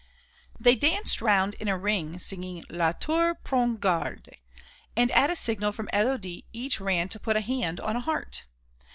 They danced round in a ring singing "La Tour, prends garde!" and at a signal from Élodie, each ran to put a hand on a heart.